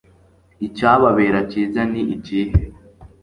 icyababera cyiza ni ikihe